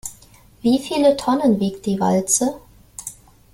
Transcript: Wie viele Tonnen wiegt die Walze?